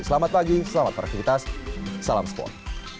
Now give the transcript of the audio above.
selamat pagi selamat beraktivitas salam sport